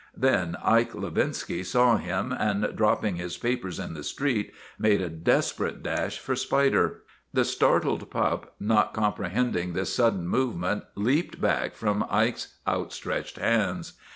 Then Ike Levinsky saw him and, dropping his papers in the street, made a desperate dash for Spider. The startled pup, not comprehending this sudden movement, leaped back from Ike's outstretched hands.